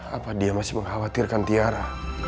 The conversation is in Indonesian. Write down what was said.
apa dia masih mengkhawatirkan tiara